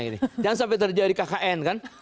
jangan sampai terjadi kkn kan